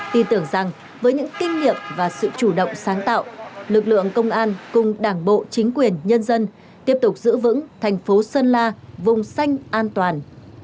tin tưởng rằng với những kinh nghiệm và sự chủ động sáng tạo lực lượng công an cùng đảng bộ chính quyền nhân dân tiếp tục giữ vững thành phố sơn la vùng xanh an toàn